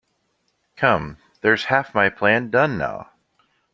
Come, there’s half my plan done now!